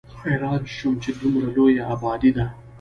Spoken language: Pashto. حېران شوم چې دومره لويه ابادي ده